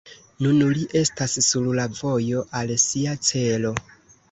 Nun li estas sur la vojo al sia celo.